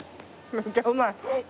めっちゃうまい。